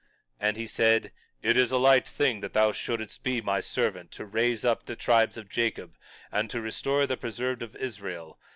21:6 And he said: It is a light thing that thou shouldst be my servant to raise up the tribes of Jacob, and to restore the preserved of Israel.